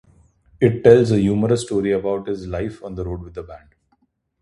It tells a humorous story about his life on the road with the band.